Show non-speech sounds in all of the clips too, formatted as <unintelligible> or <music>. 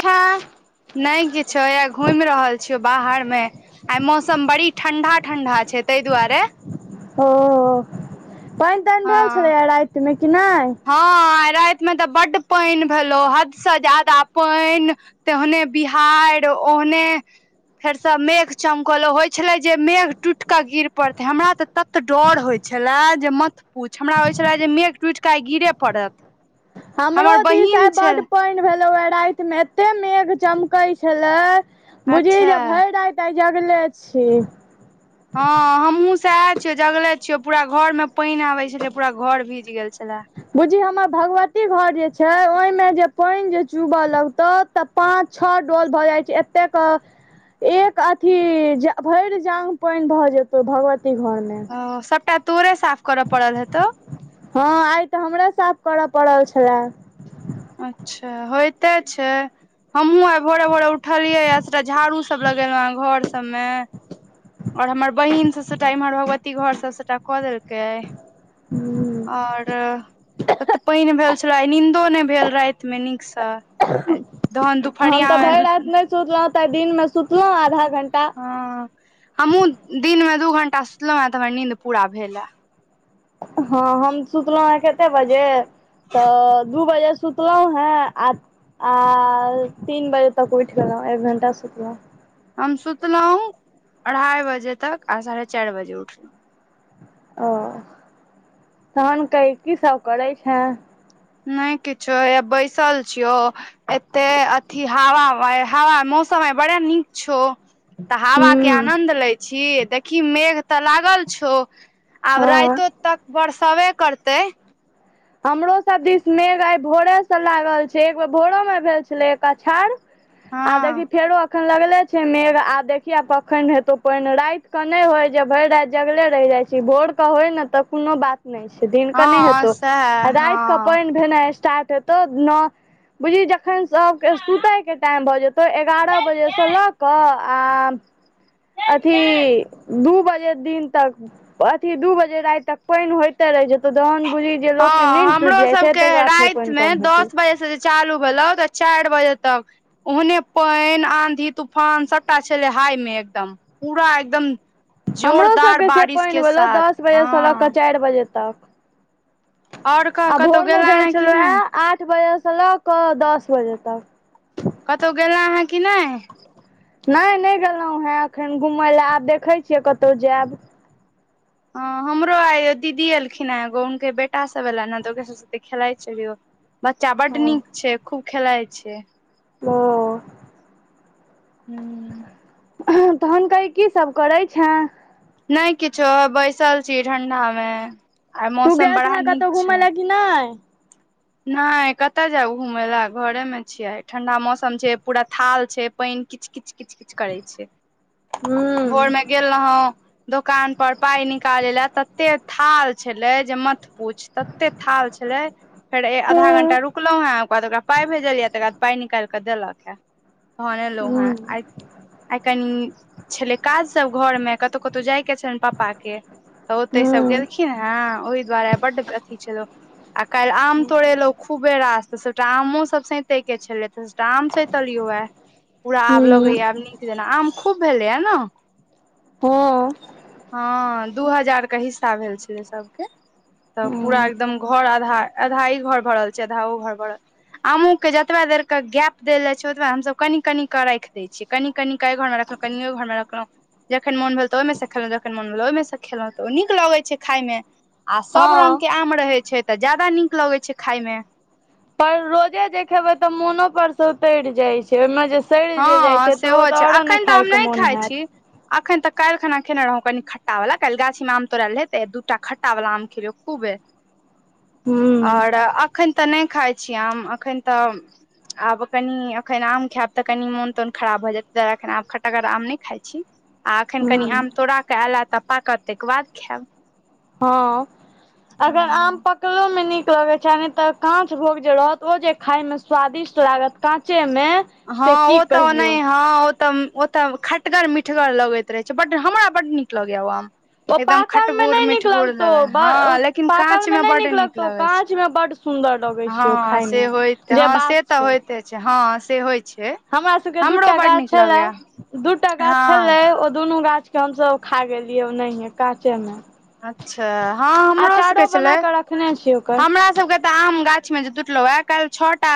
खे। नहि किछो हैया घुमि रहल छियौ। बाहर मे। आय मौसम बड़ी ठंडा ठंडा छै। ताहि दुआरे। ओ पानि तानि भेल हँ छलैए। रातिमे कि नहि। हँ राति में तऽ बड्ड पानि भेलो हद से ज्यादा पानि। तऽ ओहने बिहाईर ओहने। फेर स मेघ चमकले होइ छले। जे मेघ टूट क गिर पड़ते हमरा त तत डर होय छले। जे मत पूछ हमरा त होइ छले। जे मेघ टूट के आइ गिरे पड़त। हमरो हमर दिस बहिन आइ बड छल पानि भेलो हे राति मे एत्ते मेघ चमकई छले। बुझी अच्छा जे भरि रात आइ जगले छी। हँ हमहुँ स आए छियै। जगले छियै। पूरा घर में पानि आबे छले। पूरा घर भीज गेल छले। बूजी हमर भगवती घर जे छै। ओहिमे जे पानि जे चूबय लगतऊ। तऽ पाँच छओ डोल भऽ जाइ छै। एतेक एक अथी भरि जांग पानि भए जेतो भगवती घर में। ओ सबटा तोरे साफ कर पडल हे तोऽ हँ आइ तऽ हमरे साफ करऽ पड़ल छलए। अच्छा होयइते छै। हमहु आइ भोरे भोरे उठलियै आ सबटा झाड़ू सब लगेलहुँ ह घर सबमें। और हमर बहिन सब सबटा इम्हर भगवती घर सब सबटा कऽ देलकै। ह <unintelligible> और ओते पानि भेल छले नींदो नहि भेल राति मे नीक स तहन दुपहरिया मे सुतलहुं तऽ दिनं में सुतलहुं आधा घंटा। हँ हमहुँ दिनमे दू घंटा सुतलहुँ हे तऽ हमरा नींद पूरा भेल ह। हँ हम सुतलहुँ हेँ कतेक बजे। तऽ दू बजे सुतलहुँ हें आ। आ तीन बजे तक उठ गेलहु एक घंटा सुतलहु। हम सुतलहुँ अढ़ाइ बजे तक आ साढ़े चारि बजे उठलहुँ। ओ तहन कहइ की सब करे छे। नहि किछो हैया बैसल छियौ। एते अथी हवा हा मौसम आय बड़आ नीक छौ। तऽ हवा के हूँ आनन्द लै छी देखी मेघ तऽ लागल छौ। आब हँ राइतो तक बरसबे करतै। हमरो सब दिस मेघ आइ भोरे से लागल छै एक बेर भोरो मे भेल छले एक आछाड़। आ हँ देखी फेरो। अखन लगले छै मेघ आ देखि केखन हेतो पइन राति के नहि होय जे भरि राति जगले रहि जाय छी। भोरके होय ने तऽ कोनो बात नहि छै दिेन क नय हँ हेतौ आ सएह रातिके हँ पइन भेनाइ स्टार्ट हेतौ नौ बुझी जखन सभके सुतयके टाइम भऽ जेतै एगारह बजेसँ लऽ कऽ आ अथी दू बजे दिन तक। अथी दू बजे राति तक पानि होयते रहइ जेतो जहन बुजी। हँ हमरो सबके राति पानि मे कम हेतौ दस बजे से जे। चालू भेलो तऽ चारि बजे तक। ओहने पइन आधी तूफान सबटा छलै हाय मे एकदम। पूरा एकदम हमरो जोरदार सबके बारिश के साथ हँ। चार बजे तक। आओर कह आ कतहु भोर मे गेला भेल हेँ कि छलहु नहि हे आठ बजे से लऽ कऽ दस बजे तक। कतहु गेलह हैं कि नहि। नहि नहि गेलहुँ हे एखन घुमय लए आब देखैत छियै कतहु जायब। ह हमरो आय दीदी एलखिन ह एगो हुनके बेटा सब एल ने तऽ ओकरे सब साथे खेलाइत छलियो। बच्चा बड नीक छै खूब खेलाइ छै। ओ। <unintelligible> तहन कही की सब करैत छे। नहि किछो बैसल छी ठंडा मे आय तू मौसम गेल बड़ा छले नीक कतहु घुमय छै। लए कि नहि। नैय कतऽ जाउ घूमे लए घरे में छियै ठंडा मौसम छै पूरा थाल छै पैन। किच -किच- किच -किच करै छै भोर मे हूँ गेल रहौ। दोकान पर पाइय निकालै लए तते थाल छेलै जे मत पूछ तते थाल छेलै। फेर ए आधा हूँ घण्टा रुकलौ हेंँ ओकर बाद ओकरा पाय भेजलियै यए तकर बाद पाइय निकैल कऽ देलक ए। तहन एलो हूँ हँ आय। आय कनी छेलै काज सब घर मे कतौ -कतौ जाय के छैन पप्पा के तऽ ओतेै सब हूँ गेलखिन हेँ ओहि दुआरे बड अथी छेलौ आ कैल्ह आम तोड़ेलो खूबे रास सबटा आमो सब सैतेै के छेलै तऽ आम सैतलियौ पूरा आब लगैया आब नीक जेना आम खूब भेलैए ने हँ। हँ दू हजारके हिस्सा भेल छेलै सब के। तऽ पूरा हँ एकदम घर आधा- आधा ई घर भरल छै, आधा ओ घर भरल आमूँ के जतबा देरके गैप देल जाय छै ओतबा हम सब कनि कनि कऽ राइख दै छियै। कनि- कनि के ऐय घर मे रखलो कनि ओय घर मे रखलहौ। जखन मोन भेल तऽ ओहिमे सँ खेलहुँ जखन मोन भेल ओहिमे सँ खेललहुँ तऽ ओ नीक लगै छै खायमे। आ सब रंग हँ के आम रहै छै तऽ ज्यादा नीक लगै छै खायमे। पर रोजे जे खेबेै तऽ मोनो पर से उतैर जाय छै। ओय मे जे सइड़ जे जाइ हँ छै तऽ ओ तऽ ओरो नै खायके मोन हेऽत। अखैन तऽ कैल्ह खेने रहौँ कनि खट्टा वला कैल्ह गाछीमे आम तोड़ेल रहै तऽ दूटा खटा ट्टा बाला आम खेलियेै खूबे। हूँ। और अखैन तऽ नै खाइ छीयै आम अखैन तऽ आब कनि एखैन आम खाएब। तऽ कनि मोन -तोन खराब भऽ जेएत तेै दुआरे एखन आब खट्टगर आम नै खाय छी। आ अखैन ह्म कनि आम तोड़ा कऽ एयल तऽ पाकत तायके बाद खाएब। हँ अगर आम पकलोमे नीक लगै छै नै तऽ। काँच भोग जे रहत ओ जे खाय में स्वादिष्ट लागत काँचे में। हँ ओ तऽ ओ नहि हँ। तम ओतऽ खटगर- मिठगर लगैत रहे छै बड हमरा बड़ नीक लागेैया ओ आम। ओ एकदम पाकल मे खट्टगुर नहि नीक मिठगुर लगतौ लगै हँ लेकिन पाकल मे काँचमे नहि बड नीक लगतौ लगै छै। काँच मे बड सुन्दर लगै छै ओ हँ खाय से मे होयत जे हँ से बात तऽ होइते छै हँ से होय छै। हमरा सबके के हमरो दूटा बड गाछ नीक छेल्ला लगैया दूटा गाछ हँ छेलेै ओ दुनू गाछ। हम सब खा गेलियै ओनैहे काचे मे। अच्छा हँ हमरो सबके अचारो छेलै बना कऽ रखने छियै ओकर हमरा सबके तऽ आम गाछ मे जे टुटलौ ए कैल्ह छः टा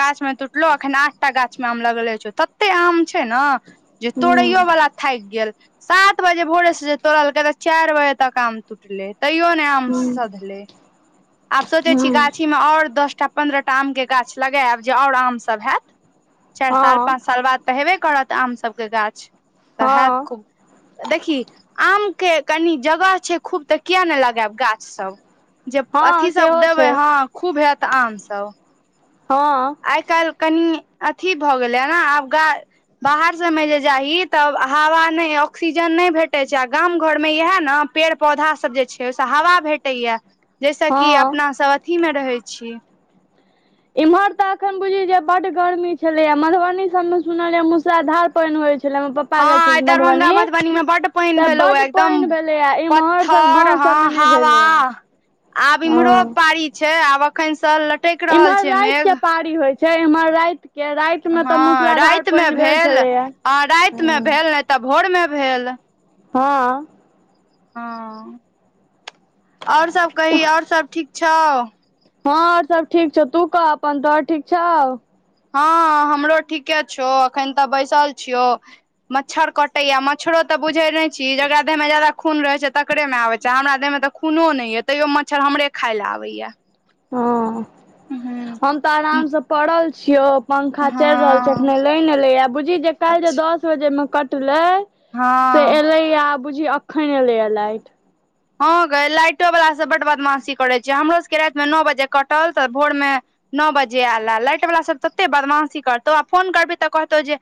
गाछमे टूटलो एखन आठटा गाछमे आम लगले छौ तते आम छै नऽ। जे हूं तोड़ैयो वाला थाइक गेल सात बजे भोरे से जे तोड़लकै तऽ चैर बजे तक आम टूटलेै तैयो ने आम हूं सधलेै। आब सोचै छी हूं गाछीमे ओर दस टा पन्द्रह टा आमके गाछ लगेएब जे ओर आम सब हेएत। चैर साल हँ पाँच साल बाद तऽ हेबे करत आम सब के गाछ तऽ हेएत हँ खूब। देखी आमके कनि जगह छै खूब तऽ किया ने लगेएब गाछ सब। जे अथी हँ सब सेहो देबै छै हँ खूब हेएत आम सब। हँ। आय -कैल्ह कनी अथी भऽ गेलेै ने आब गा बाहर सब मे जे जाही। तब हावा नै ऑक्सीजन नै भेटे छै आ गाम घर में इएहे ने पेड़ पौधा सब जे छै। ओई सँ हावा भेटैया, जैय सॅ कि हँ अपना सब अथी मे रहै छी इम्हर तऽ अखन बुझी जे बड गर्मी छलेै, आ मधुबनी सब में सुनलेए मुसराधार पैन होय छलै, हमर पप्प हँ। आय दरभंगा मधुबनी में बड पैन तऽ भेलौ वैऽ, बड एकदम पानि भेलैये इम्हर सब पत्थर गाँंव सबमे हँ नहि हावा, भेलैये आब इम्हरो हँ पाड़ी छै, आब अखन से ल इम्हर राईत के पारी होइ छै, एम्हर राईत कियाऽ? राति में तऽ मूसलाधार पैन भेल छलैया आ राईत में हँ भेल नहि तऽ भोर मे भेल हँ हँ, और सब कही और सब ठीक छौ? हँं ओर सब ठीक छौ, तू कह अपन तोहर ठीक छौऊ? हँ, हमरो ठीके छौ। एखन तऽ बैसल छियौ। मच्छर कटैया, मच्छरो तऽ बुझै नहि छी? जेकरा देह मे जादा खून रहे छै तकरे मे आबे छै। हमरा देह में तऽ खूनो नहि यऽ, तैयो मच्छर हमरे खाइ लए आबैयाऽ। हँ, हम तऽ आरामसँ पड़ल छियौ। पंखा चलि रहल छै, हँ अखने लईन एलै याऽ, बूझी जे काइल्ह जे अच्छा दस बजे में कटलै से हँ एलैयऽ, बुझी अखन एलैयऽ लाइट। हँ गै लाइटो वला सब बड बदमासी करै छै हमरो सके राति मे नॉ बजे कटल तऽ भोर में नॉऽ बजे ऐलैऽ, लाइट वला सभ तते बदमाशी करतौ आ फोन करबही तऽ कहतौ जे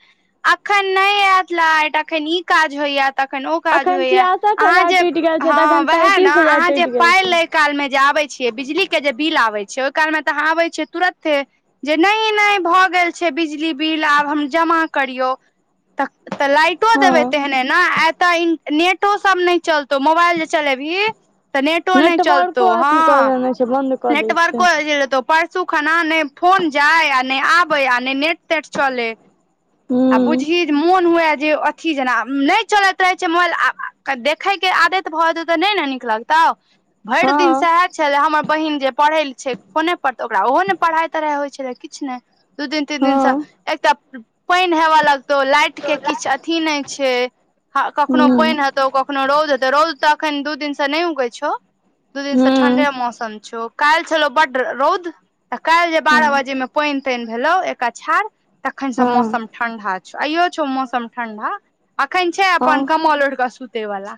अखन नहि ऐऽत लाइट अखन ई काज होइयैऽ। तखन ओ काज अखन होइयैऽ, छियासठ अहां हजार जे टूटि गेल छै तऽ हँ अखन वहैऽ न? तैंतीस हजार अहां जे टूटि गेल छै पाई काल मे जे आबै छियै, बिजली के जे बिल आबै छै, ओई काल मे तऽ अहॉं आबै छियै तुरऽते? जे नहि नहि भऽ गेल छै बिजली बिल आब हम जमा करियौ। त-तऽ लाइटो देबै हँ तेहने ना? आ एताऽ इं नेटो सब नहि चलतौ मोबाइल चलेबही तऽ नेटो नहि चलतौ, हँ। तुरण नेटवर्को इ जे एतौ पस सू खन्ना ने फोन जाय, ने आबै, आ ने नेट तेट चलै। आ हूँ बुझहीं जे मून हुवैऽ जे अ थी जेना, आ नहि चलैत रहै छै मोबाइल आ, देखय के आदत भऽ जतौ तऽ नहि ने नीक लगतौऊ? भरि दिन हँ सैहाऽ छलै हमर बहिन जे परहै ल छै, कोने पत ओकरा ओहो ने परहाई तरहाई होइ छै, किछु ने दू दिन तीन दिन सऽ, हँ एकटाऽ पईन हेवाऽ लगतौ, लाइट हूँ के किछु अथी नहि छै, कखनो हूँ पईन हेत् तौ, कखनो रौद हेतौ, रौद त अखन दू दिन से नै उगै छौ, दू दिन स हँ ठंडे मौसम छौ, काल्हि छलौ बड्ड रौद तऽ काल्हि जे बारह बजे में पईन तईन भेलौ एक अछाड़ तखैन स हँ मौसम ठंडा छ, आईयो छौ मौसम ठण्डा, अखैन छै अपन हँ कम्मल ओइढ़ क सुतै वला।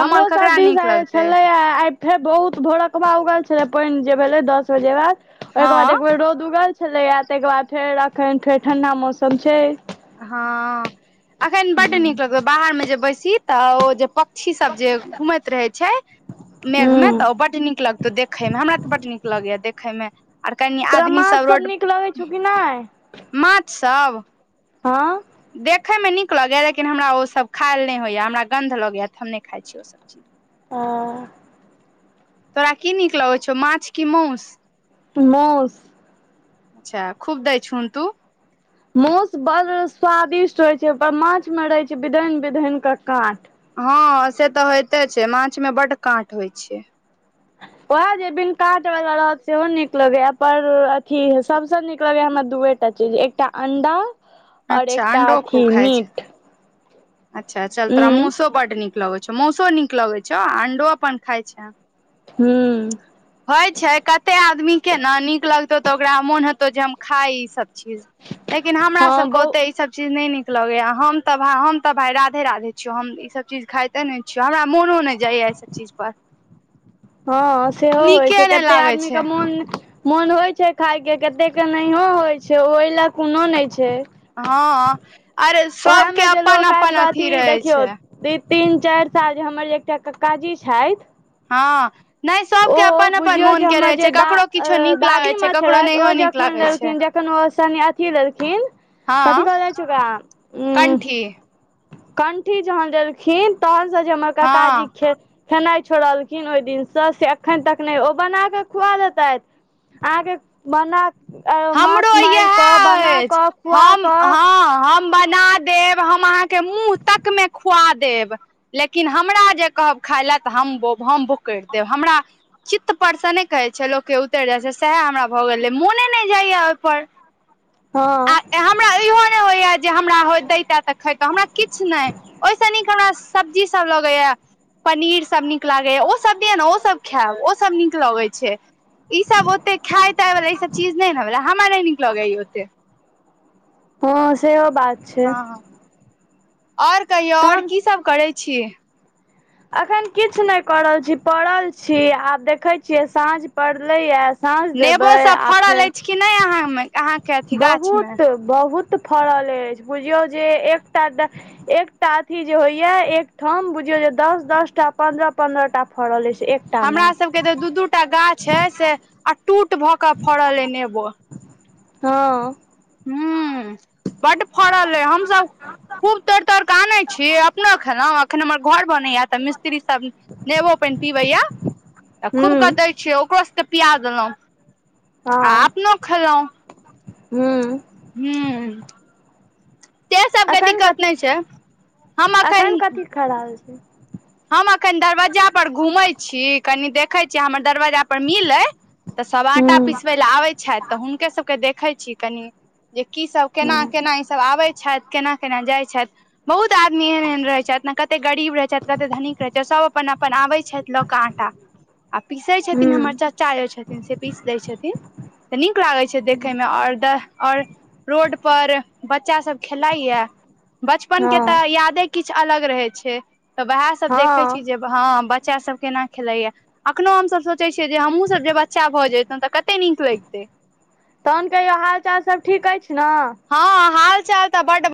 हमरो सब दीश आई छलैयाऽ, आई फेर बहुत भोरकबा उगल छलै, पईन जे भेलै दस बजे बाद ओई के बाद हँ एक बेर रौद उगल छलैया, तई के बाद फेर अखन फेर ठंडा मौसम छै। हँ, एखैन बड्ड नीक लगऽ बाहर मे जे बैसी तऽ ओ जे क्षी सब जे घूमैत रहै छै। मेघ मे हूँ तऽ ओ बड नीक लगतौ देखै में, हमरा तऽ बड नीक लगैया देखैय में। तोरा माछ सब नीक लगै छौ कि नहि? माछ सब? हँ। देखयमे नीक लगैयए लेकिन हमरा ओसभ खायल नहि होइएा हमरा गन्ध लगैये त हम नहि खाइ छी ओसभ चीज। हां। तोरा की नीक लगै छौ माछ की माउस? माउस। अच्छा खूब दै छहुन तू। माउस बड़ स्वादिष्ट होय छै, माछ में रहे छै विधइन विधइन के कांट। हँ से तऽ होइते छै माछ मे बड काँट होइत छै। ओहे जे बिन काट वला रहत सेहो नीक लगैये पर अथि सबसे नीक लगैये हमरा दूएट एकटा चीज एकटा अंडा और अच्छा एकटा अंडो अथि खूब खाइ छै मीट। अच्छा चल तोरा उं माउसो बड नीक लगै छौ, माउसो नीक लगैत छौ अण्डो अपन खाइ छें। हुं। होय छै कते आदमी के ने नीक लगतौ तऽ ओकरा मोन हेतौ जे हम खाइ ई सब। लेकिन हमरा सब हँ के बहु ओते ई सब चिज नई निक लगैये, हम त भाई हम तऽ भाइ राधे राधे छियौ, हम ईसभ चीज खाइते नहि छियौ, हमरा मोनो नहि जाइए एहि सब चीज चीज पर। हँ सेहो होइ नीके छै नहि कते लागे आदमीे छै के मोन मोन होइ छै खाय के कते के नहियो होइ छै, ओय ले कोनो नहि छै। हँ अरे ओएह सबके अपन अपन अथि रहै छै। ई तीन चारि साल जे हमर जे एकटा ककाजी छैथ हँ नहि ओ सबके अपन अपन बुझियौ जे मोन के हमर रहे जे छै दा ककरो किछो नीक लागे छै दादीमाँ ककरो छलैथि ओ नहियो नीक लागे छै जखैन जखन ओ सन्यासी लेलखिन, कथि हँ कहल जाइ छै ओकरा उ कंठी। कंठी जखन लेलखिन तखनसँ जे हमर काकाजी हँ खे खेनाइ छोड़लखिन ओहि दिनसँ से अखैन तक नहि, ओ बना कऽ खुआ देतैथ अहाँके बना माछ हमरो मारि कऽ यैहे बना अछि, कऽ खुआ हम कऽ हँ बना देब हम अहाँके मुँह तक मे खुआ देब लेकिन हमरा जे कहब खाय लै तऽ हम ब हम बोकैर देब हमरा चित्त परसँ नहि कहै छै लोक के उतइर जाइ छै सएहे हमरा भए गेल अइ मोने नहि जाइये ओइपर। हँ। हमरा इहो नहि होइये जे हमरा ओ दैते तऽ खैतौं हमरा किछ नहि ओहिसँ नीक हमरा सब्जी सब लगैये। पनीर सब नीक लागैए ओसब दिअ ने ओसब खैब ओसब नीक लगै छै। ई सब ओते खाय ताय वला ई सब चीज नहि न भेलै हमरा नहि निक लगैये ई ओते। हँ सेहो बात छै हँ, और कहियौ और तहन की सब करै छी। अखोन किछ नहि कऽ रहल छी, पड़ल छी आब देखै छियै साँझ पड़लैए। साँझ देबै नेबोसभ आ फड़ल फेर अछि कि नहि अहाँ मे <unintelligible> बहुत बहुत फड़ल अछि बुझियौ जे एकटा ड एकटा अथि जे होइये एकठाम बुझियौ जे दस दस टा पन्द्रह पन्द्रह टा फड़ल अछि एक हमरा सब के तऽ दू दू टा गाछ अछि से अटूट भऽ कऽ फड़ल अइ नेबो हँ। हूँ। बड फड़ल अय हमसब खूब तोड़ि तोड़ि कऽ आनै छी अपनो खेलौ अखन हमर घर बनैया तऽ मिस्त्री सब नेबो पइन पीबैया तऽ खूब हूं क दै छियै ओकर सबके पिया देलौ। हँ। खेलौ। हूँ। हूँ। से सबके अखन दिक्कत कथी नहि छै हम अखैन अखन कथी खा रहल छी। हम अखैन दरवज्जा पर घूमै छी कनि देखै छी हमर दरवज्जा पर मिल अइ। तऽ सब आटा हूं पिसबै लए आबै छथि तऽ हुनके सबके देखै छी कनि। जे की सब केना हूं केना सब आबै छैथ केना केना जाइ छैथ बहुत आदमी सब एहन एहन रहै छैथ न कते ग कते धनिक रहै छैथ सब अपन अपन आबै छैथ लऽ कऽ आटा। आ पीसै छथिन हूं हमर चाचा जे छथिन से पीस दै छथिन। तऽ नीक लागे छै देखे में और द आओर रोड पर बच्चा सब खेलाइया बचपन के हँ तऽ यादे किछ अलग रहै छै। तऽ वएह सब देखै हँ छी जे हँ बच्चा सब केना खेलाइया। अखनो हमसब सोचै छियै जे हमहूँसब जे बच्चा भऽ जैतौ तऽ कते नीक लैगतै। तहन कहियो हाल चाल सब ठीक अइछ न। हँ हाल चाल तऽ बड